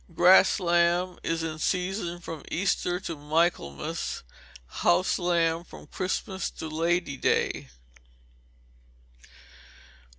_Grass lamb is in season from Easter to Michaelmas; house lamb from Christmas to Lady day.